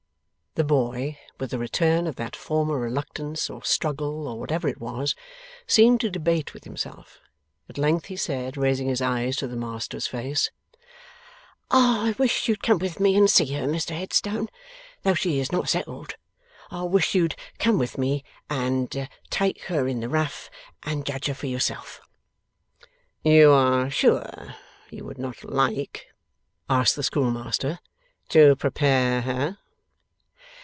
The boy, with a return of that former reluctance or struggle or whatever it was, seemed to debate with himself. At length he said, raising his eyes to the master's face: 'I wish you'd come with me and see her, Mr Headstone, though she is not settled. I wish you'd come with me, and take her in the rough, and judge her for yourself.' 'You are sure you would not like,' asked the schoolmaster, 'to prepare her?